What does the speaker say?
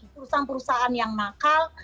perusahaan perusahaan yang nakal